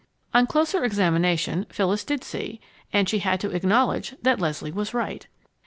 On closer examination, Phyllis did see. And she had to acknowledge that Leslie was right.